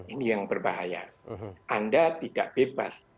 ini yang berbahaya anda tidak bebas